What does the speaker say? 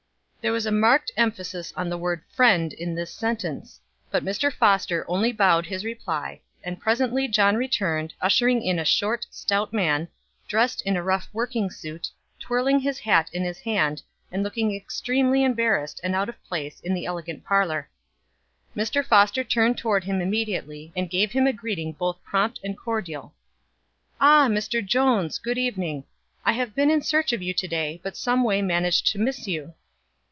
There was a marked emphasis on the word friend in this sentence; but Mr. Foster only bowed his reply, and presently John returned, ushering in a short, stout man, dressed in a rough working suit, twirling his hat in his hand, and looking extremely embarrassed and out of place in the elegant parlor. Mr. Foster turned toward him immediately, and gave him a greeting both prompt and cordial. "Ah, Mr. Jones, good evening. I have been in search of you today, but some way managed to miss you."